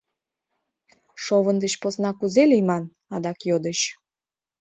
— Шовын деч посна кузе лийман? — адак йодыч.